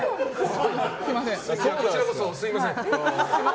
こちらこそ、すみません。